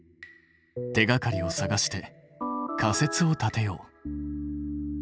手がかりを探して仮説を立てよう。